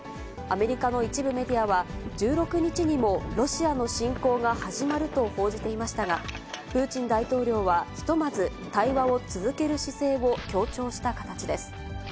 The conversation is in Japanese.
アメリカの一部メディアは、１６日にもロシアの侵攻が始まると報じていましたが、プーチン大統領はひとまず対話を続ける姿勢を強調した形です。